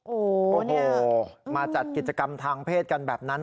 โอ้โหมาจัดกิจกรรมทางเพศกันแบบนั้น